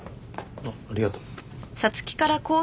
あっありがとう。